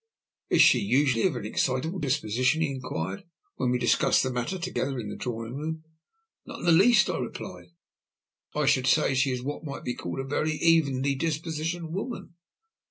"Is she usually of an excitable disposition?" he inquired, when we discussed the matter together in the drawing room. "Not in the least," I replied. "I should say she is what might be called a very evenly dispositioned woman."